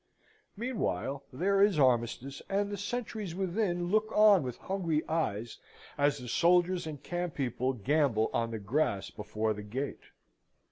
Meanwhile there is armistice, and the sentries within look on with hungry eyes, as the soldiers and camp people gamble on the grass before the gate.